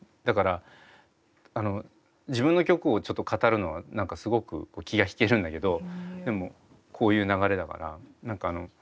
だから自分の曲をちょっと語るのは何かすごく気が引けるんだけどでもこういう流れだから。